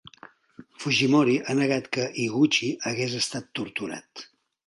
Fujimori ha negat que Higuchi hagués estat torturat.